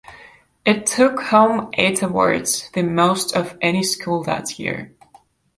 It took home eight awards, the most of any school that year.